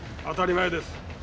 当たり前です。